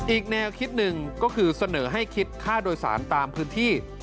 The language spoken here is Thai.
อีกแนวคิดหนึ่งก็คือเสนอให้คิดค่าโดยสารตามพื้นที่